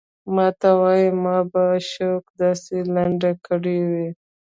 ته وايې ما به په شوق داسې لنډه کړې وي.